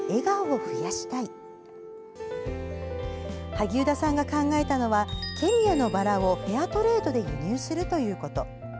萩生田さんが考えたのはケニアのバラをフェアトレードで輸入するということ。